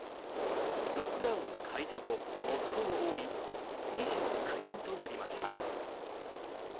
ロックダウン解除後最も多い２９人となりました。